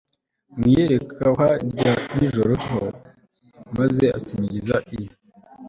mu iyerekwa rya nijoro h maze asingiza i